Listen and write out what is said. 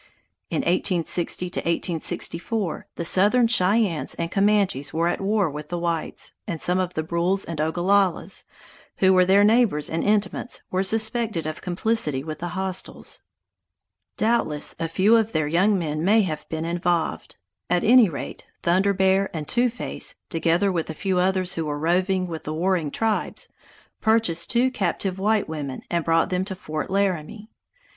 In 1860 1864 the Southern Cheyennes and Comanches were at war with the whites, and some of the Brules and Ogallalas, who were their neighbors and intimates, were suspected of complicity with the hostiles. Doubtless a few of their young men may have been involved; at any rate, Thunder Bear and Two Face, together with a few others who were roving with the warring tribes, purchased two captive white women and brought them to Fort Laramie.